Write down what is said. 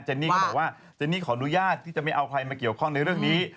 นี่ก็บอกว่าเจนนี่ขออนุญาตที่จะไม่เอาใครมาเกี่ยวข้องในเรื่องนี้